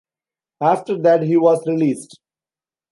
After that, he was released.